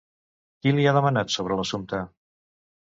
Qui li ha demanat sobre l'assumpte?